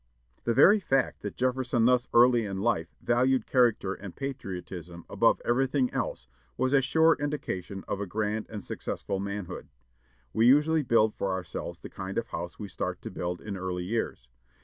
The very fact that Jefferson thus early in life valued character and patriotism above everything else was a sure indication of a grand and successful manhood. We usually build for ourselves the kind of house we start to build in early years.